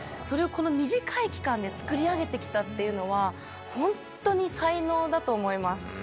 それをこの短い期間で作り上げてきたっていうのは、本当に才能だと思います。